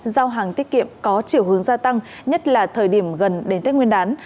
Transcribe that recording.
giao hàng tiết kiệm có chiều hướng gia tăng nhất là thời điểm gần đến tết nguyên đán